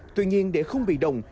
tuy nhiên để không bị đồng